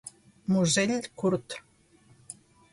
Musell curt.